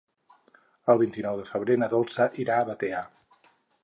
El vint-i-nou de febrer na Dolça irà a Batea.